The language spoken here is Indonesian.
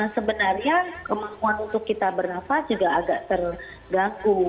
sebenarnya kemampuan untuk kita bernafas juga agak terganggu